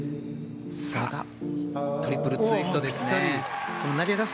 トリプルツイストです。